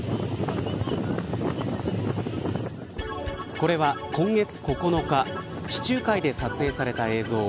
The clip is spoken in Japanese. これは、今月９日地中海で撮影された映像。